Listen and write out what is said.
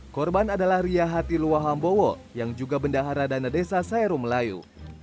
korban adalah ria hati luwa hambowo yang juga bendahara dana desa sayeru melayu